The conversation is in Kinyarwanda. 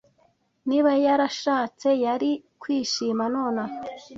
Niba yarashatse, yari kwishima nonaha.